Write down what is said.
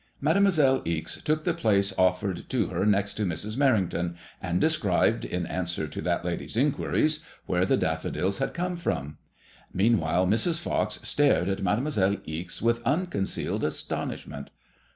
Mademoiselle Ixe took the place offered to her next Mrs. Merrington, and described, in answer to that lady's inquiries, where the daffodils had been found. Meanwhile Mrs. Pox stared at Mademoiselle Ixe with uncon cealed astonishment.